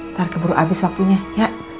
ntar keburu abis waktunya ya